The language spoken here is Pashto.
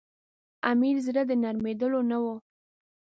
امیر زړه د نرمېدلو نه وو.